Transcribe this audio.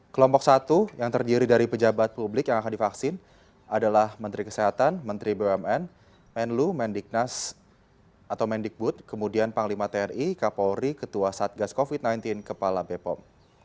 kelompok satu yang terdiri dari pejabat publik yang akan divaksin adalah menteri kesehatan menteri bumn menlu mendiknas atau mendikbud kemudian panglima tni kapolri ketua satgas covid sembilan belas kepala bepom